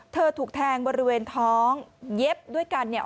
ถูกแทงบริเวณท้องเย็บด้วยกันเนี่ย